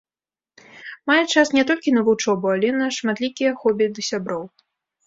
Мае час не толькі на вучобу, але на шматлікія хобі ды сяброў.